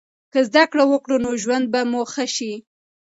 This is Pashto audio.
که زده کړه وکړو نو ژوند به مو ښه سي.